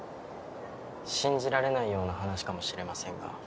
信じられないような話かもしれませんが。